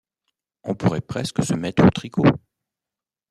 On pourrait presque se mettre au tricot.